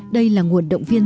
đây là nguồn động viên